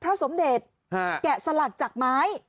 สมเด็จแกะสลักจากไม้